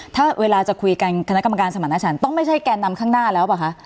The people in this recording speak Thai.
ถ้าเวลาจะคุยกันคณะกรรมการสมรรถฉันต้องไม่ใช่แกนนำข้างหน้าแล้วป่ะคะ